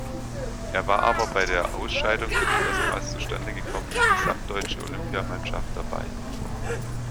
Er war aber bei der Ausscheidung für die erstmals zustande gekommene gesamtdeutsche Olympiamannschaft dabei.